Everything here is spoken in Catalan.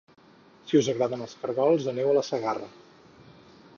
Si us agraden els cargols aneu a La Segarra